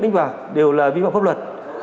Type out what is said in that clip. đánh bạc đều là vi phạm pháp luật